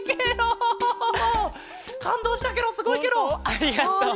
ありがとう！